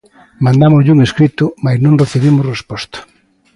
Mandámoslle un escrito máis non recibimos resposta.